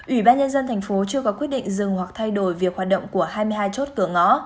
ủy ban nhân dân thành phố chưa có quyết định dừng hoặc thay đổi việc hoạt động của hai mươi hai chốt cửa ngõ